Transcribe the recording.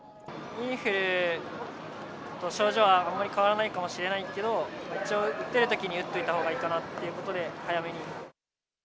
インフルと症状はあまり変わらないかもしれないけど、一応、打てるときに打っといたほうがいいかなっていうことで、早めに。